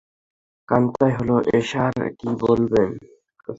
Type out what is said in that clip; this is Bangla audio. কস্তাই হলো এশার - কি বললেন?